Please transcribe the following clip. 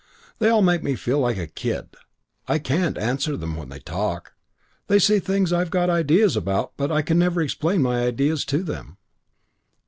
They all make me feel like a kid. I can't answer them when they talk. They say things I've got ideas about but I never can explain my ideas to them.